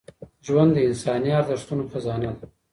ژوند د انساني ارزښتونو خزانه ده